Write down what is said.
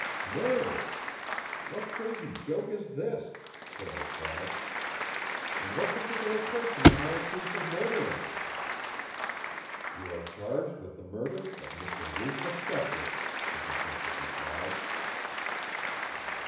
"Murder? What crazy joke is this?" Prale cried. "And what particular person am I accused of murdering?" "You are charged with the murder of Mr. Rufus Shepley," the detective replied.